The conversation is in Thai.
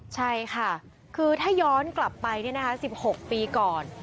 ใช่ค่ะคือถ้าย้อนกลับไปนี่นะคะสิบหกปีก่อน